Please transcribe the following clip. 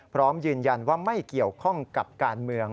พร้อมยืนยันว่าไม่เกี่ยวข้องกับการเมือง